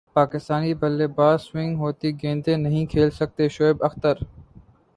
پاکستانی بلے باز سوئنگ ہوتی گیندیں نہیں کھیل سکتے شعیب اختر